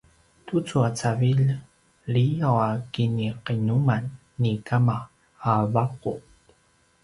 tucu a cavilj liyaw a kiniqinuman ni kama a vaqu